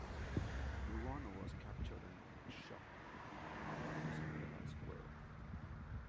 Ruano was captured and shot in Mataquescuintla Square.